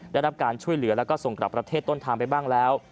ได้รับการช่วยเหลือแล้วก็ส่งกลับประเทศต้นทางไปบ้างแล้ว